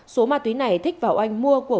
số ma túy này thích và oanh mua